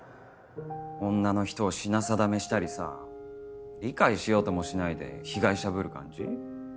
女の人を品定めしたりさ理解しようともしないで被害者ぶる感じ？